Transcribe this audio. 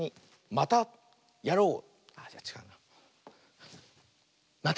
「またやろう！」。